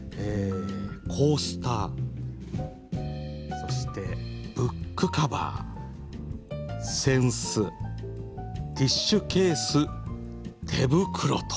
コースターそしてブックカバー扇子ティッシュケース手袋と。